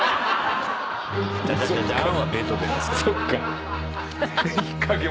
そっか。